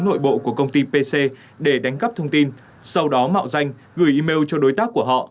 nội bộ của công ty pc để đánh cắp thông tin sau đó mạo danh gửi email cho đối tác của họ